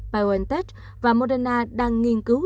biontech và moderna đang nghiên cứu